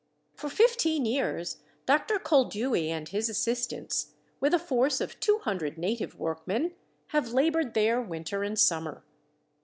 For fifteen years Dr. Koldewey and his assistants, with a force of two hundred native workmen, have laboured there winter and summer.